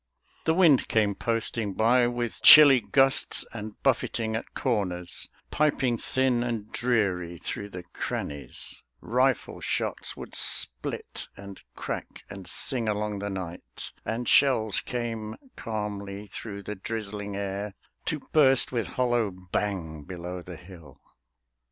The wind came posting by with chilly gusts And buffeting at corners, piping thin And dreary through the crannies; rifle shots Would split and crack and sing along the night, And shells came calmly through the drizzling air To burst with hollow bang below the hill.